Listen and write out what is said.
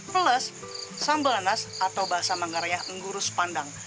plus sambal anas atau bahasa manggarai yang ngurus pandang